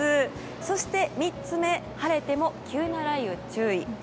そして、３つ目晴れても急な雷雨注意。